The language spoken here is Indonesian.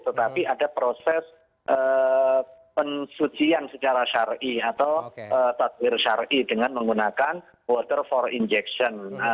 tetapi ada proses pensucian secara syari'i atau tatwir syari'i dengan menggunakan water for injection